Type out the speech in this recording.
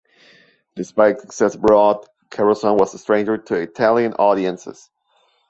Despite his success abroad, Carosone was a stranger to Italian audiences.